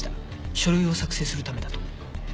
書類を作成するためだと。